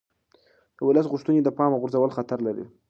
د ولس غوښتنې د پامه غورځول خطر لري